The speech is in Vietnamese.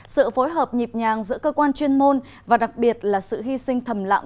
sự phối hợp nhịp nhàng giữa cơ quan chuyên môn và đặc biệt là sự hy sinh thầm lặng